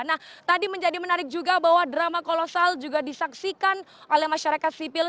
nah tadi menjadi menarik juga bahwa drama kolosal juga disaksikan oleh masyarakat sipil